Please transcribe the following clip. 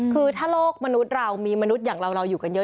คือถ้าโลกมนุษย์เรามีมนุษย์อย่างเราอยู่กันเยอะ